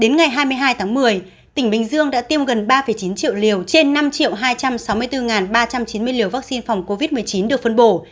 đến ngày hai mươi hai tháng một mươi tỉnh bình dương đã tiêm gần ba chín triệu liều trên năm hai trăm sáu mươi bốn ba trăm chín mươi liều vaccine phòng covid một mươi chín được phân bổ